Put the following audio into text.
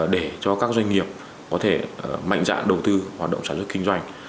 để cho các doanh nghiệp có thể mạnh dạng đầu tư hoạt động sản xuất kinh doanh